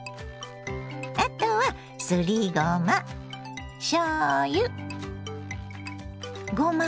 あとはすりごましょうゆごま